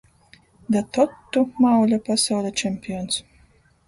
Da tod tu, mauļa, pasauļa čempions...